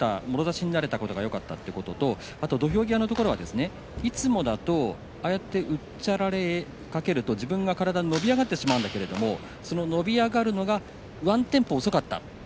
もろ差しになれたことがよかったということと土俵際のところはいつもだとうっちゃられてしまうと自分の体が伸び上がってしまうんだけれど伸び上がるのがワンテンポ遅かった。